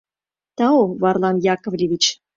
Тау, Варлам Яковлевич!